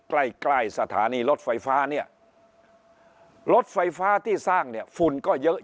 ใกล้ใกล้สถานีรถไฟฟ้าเนี่ยรถไฟฟ้าที่สร้างเนี่ยฝุ่นก็เยอะ